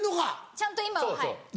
ちゃんと今ははい。